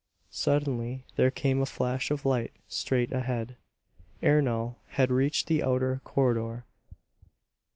Suddenly there came a flash of light straight ahead. Ernol had reached the outer corridor.